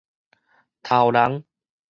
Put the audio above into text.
頭人